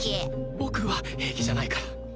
僕は平気じゃないから。